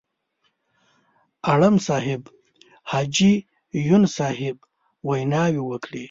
اړم صاحب، حاجي یون صاحب ویناوې وکړې.